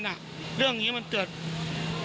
เอ้าเดียวฟังเค้าหน่อยนะคะ